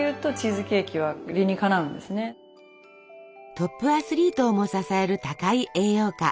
トップアスリートをも支える高い栄養価。